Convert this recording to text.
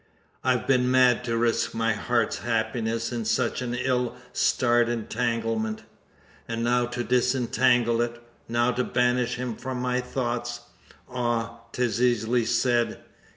I've been mad to risk my heart's happiness in such an ill starred entanglement! "And now to disentangle it! Now to banish him from my thoughts! Ah! 'tis easily said!